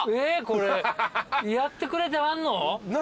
これやってくれてはんの？